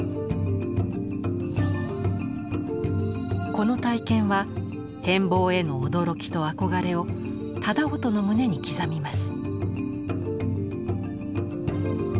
この体験は変貌への驚きと憧れを楠音の胸に刻みます。